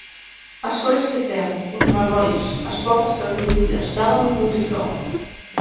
As cores que ten, os marróns, as portas translúcidas... dábannos moito xogo.